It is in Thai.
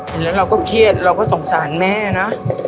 เห็นแล้วเราก็เครียดเราก็สงสารแม่นะ